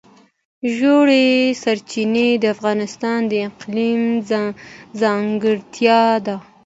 ژورې سرچینې د افغانستان د اقلیم ځانګړتیا ده.